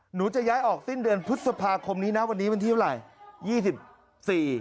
หนูจะย้ายออกสิ้นเดือนพฤษภาคมนี้นะวันนี้เป็นที่เมื่อไหร่